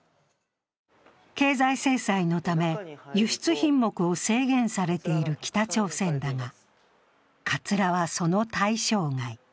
経済制裁のため、輸出品目を制限されている北朝鮮だが、かつらは、その対象外。